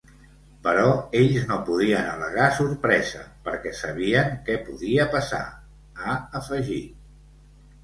Però ells no poden al·legar sorpresa perquè sabien que podia passar, ha afegit.